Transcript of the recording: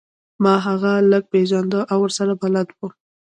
ما هغه لږ پیژنده او ورسره بلد وم